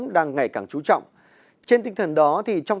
và nguy cơ ô nhiễm môi trường